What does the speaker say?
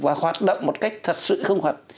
và hoạt động một cách thật sự không hoạt